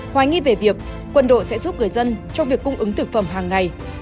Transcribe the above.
hoài nghi về việc quân đội sẽ giúp người dân trong việc cung ứng thực phẩm hàng ngày